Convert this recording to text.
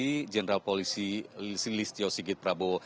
khususnya antara indonesia dan juga indonesia sendiri